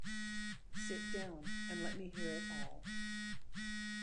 Sit down, and let me hear it all.